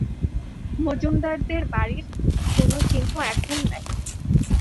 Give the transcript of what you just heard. মজুমদারদের বাড়ির কোন চিহ্ন এখন নাই।